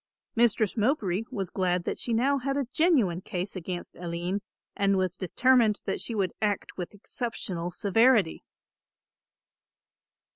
Mistress Mowbray was glad that she had now a genuine case against Aline and was determined that she would act with exceptional severity.